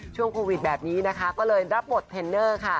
ช่วงโควิดแบบนี้ก็เลยรับบทเทนเนอร์